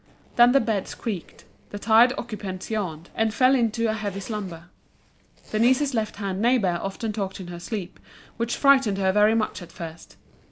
Then the beds creaked, the tired occupants yawned, and fell into a heavy slumber. Denise's left hand neighbour often talked in her sleep, which frightened her very much at first.